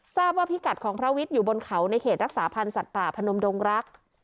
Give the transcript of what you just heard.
ทราบว่าพิกัดของพระวิทย์อยู่บนเขาในเขตรักษาพันธ์สัตว์ป่าพนมดงรัก